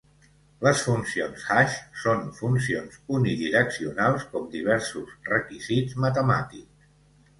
Les funcions hash són funcions unidireccionals com diversos requisits matemàtics.